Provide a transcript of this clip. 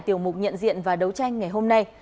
tiểu mục nhận diện và đấu tranh ngày hôm nay